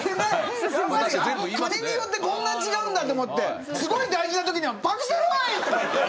国によってこんなに違うんだと思ってすごい大事なときにはパク・セロイって。